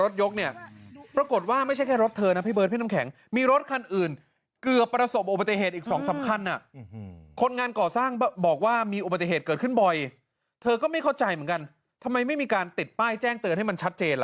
เธอก็ไม่เข้าใจเหมือนกันทำไมไม่มีการติดป้ายแจ้งเตือนให้มันชัดเจนล่ะ